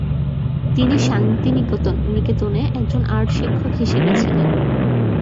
তিনি শান্তিনিকেতনে একজন আর্ট শিক্ষক হিসাবে ছিলেন।